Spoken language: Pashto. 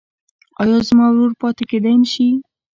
ایا زما ورور پاتې کیدی شي؟